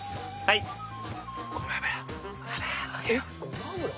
ごま油？